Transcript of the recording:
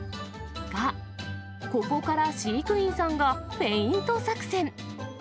が、ここから飼育員さんがフェイント作戦。